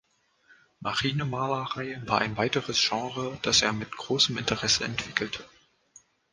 Marinemalerei war ein weiteres Genre, das er mit großem Interesse entwickelte.